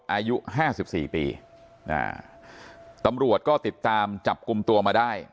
อายุ๕๔ปีตำรวจก็ติดตามจับกลุ่มตัวมาได้